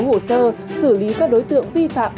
hồ sơ xử lý các đối tượng vi phạm